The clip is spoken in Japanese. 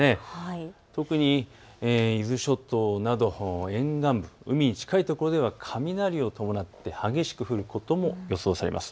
特に伊豆諸島など沿岸部、海に近いところでは雷を伴って激しく降ることも予想されます。